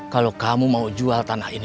kalau kamu mau jual tanah ini